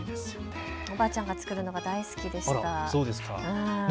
おばあちゃんが作るのが大好きでした。